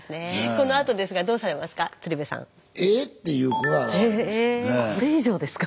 このあとですがどうされますか？